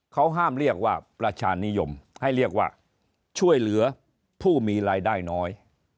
เขาห้ามเรียกว่าประชานิยมให้เรียกว่าช่วยเหลือผู้มีรายได้น้อย